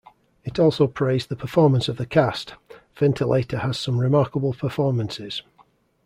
It also praised the performance of the cast: Ventilator has some remarkable performances.